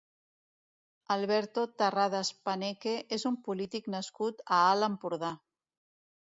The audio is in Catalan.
Alberto Tarradas Paneque és un polític nascut a Alt Empordà.